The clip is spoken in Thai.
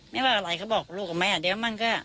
ไม่ว่าอะไรเขาบอกลูกกับแม่เดี๋ยวมันก็